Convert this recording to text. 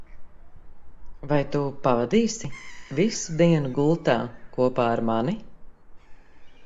Vai tu pavadīsi visu dienu gultā kopā ar mani?